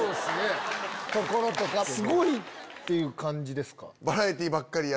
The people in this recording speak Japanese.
すごい！っていう感じですか？